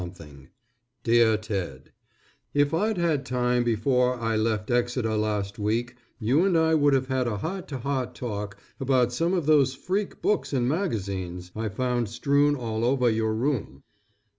_May 10, 19 _ DEAR TED: If I'd had time before I left Exeter last week, you and I would have had a heart to heart talk about some of those freak books and magazines I found strewn all over your room.